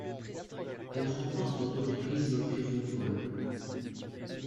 Elle remporte à deux reprises le prix RomPol.